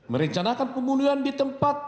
merencanakan pembunuhan di tempat